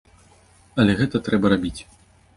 Але гэта трэба рабіць.